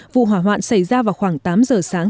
vụ hỏa hoạn xảy ra vào khoảng tám giờ sáng